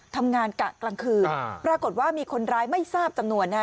ทำงานกะกลางคืนปรากฏว่ามีคนร้ายไม่ทราบจำนวนนะฮะ